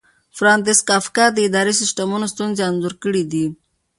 فرانتس کافکا د اداري سیسټمونو ستونزې انځور کړې دي.